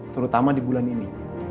terutama di bulan ini